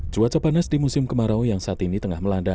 cuaca panas di musim kemarau yang saat ini tengah melanda